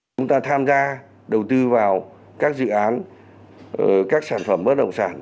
chúng ta tham gia đầu tư vào các dự án các sản phẩm bất động sản